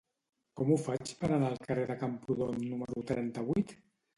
Com ho faig per anar al carrer de Camprodon número trenta-vuit?